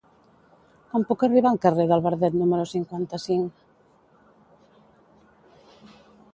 Com puc arribar al carrer del Verdet número cinquanta-cinc?